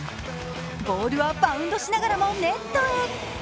ボールはバウンドしながらもネットへ。